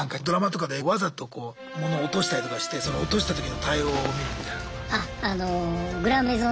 ドラマとかでわざとこう物を落としたりとかしてその落としたときの対応を見るみたいな。